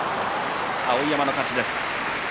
碧山の勝ちです。